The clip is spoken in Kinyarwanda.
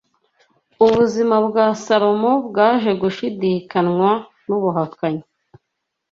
ubuzima bwa Salomo bwaje guhindanywa n’ubuhakanyi